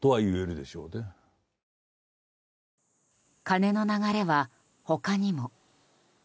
金の流れは他にも。